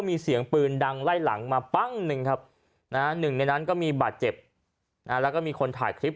มีเสียงปืนดังไล่หลังมาปั้ง๑ครับ๑ในนั้นก็มีบาดเจ็บแล้วก็มีคนถ่ายทริป